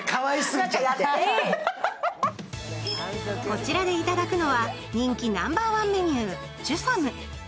こちらでいただくのは、人気ナンバーワンメニュー、チュサム。